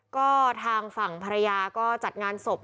ก็ทางฝั่งภรรยาก็จัดงานศพ